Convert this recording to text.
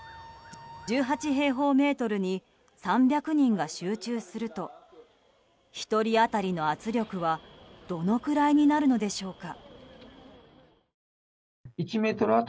１８平方メートルに３００人が集中すると１人当たりの圧力はどのぐらいになるのでしょうか。